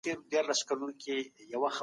هر څه اجتماعي کول حل لاره نه ده.